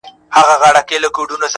اره اره سي نجارانو ته ځي-